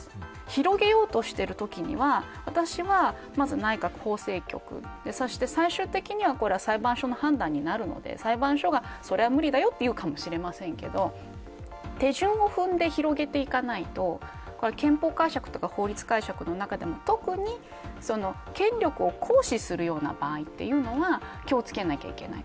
広げようとしているときには私はまず内閣法制局最終的には裁判所の判断になるので裁判所が、それは無理だよというかもしれませんけど手順を踏んで広げていかないと憲法解釈や法律解釈の中でも特に権力を行使するような場合は気を付けなきゃいけない。